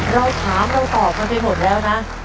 เราถามเราตอบกันไปหมดแล้วนะ